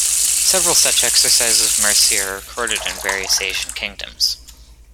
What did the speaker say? Several such exercises of mercy are recorded in various Asian kingdoms.